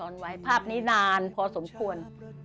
นางพอสมควร